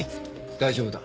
大丈夫だ。